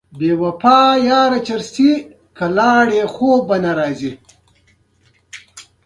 آیا دوی کمپیوټر ته فارسي راوړې نه ده؟